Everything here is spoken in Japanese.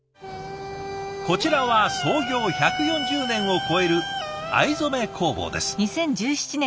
こちらは創業１４０年を超える藍染め工房です。